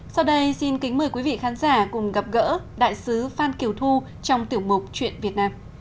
sau đây xin kính mời quý vị khán giả cùng gặp gỡ đại sứ phan kiều thu trong tiểu mục chuyện việt nam